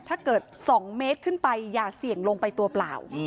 ถ้าเกิด๒เมตรขึ้นไปอย่าเสี่ยงลงไปตัวเปล่า